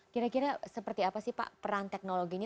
kira kira seperti apa sih pak peran teknologi ini